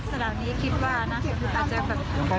อาจจะแบบผ้าและเกลียดผิดอะไรสักอย่าง